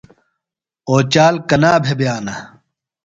اوچال کنا بھےۡ بِیانہ؟